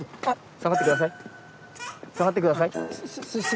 下がってください。